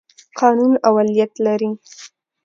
قانون اولیت لري.